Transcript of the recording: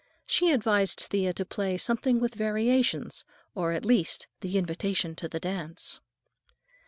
She advised Thea to play "something with variations," or, at least, "The Invitation to the Dance."